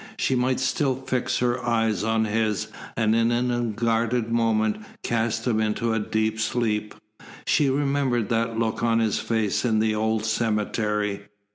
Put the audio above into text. She might still fix her eyes on his, and in an unguarded moment cast him into a deep sleep. She remembered that look on his face in the old cemetery.